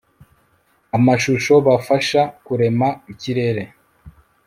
amashusho. bafasha kurema ikirere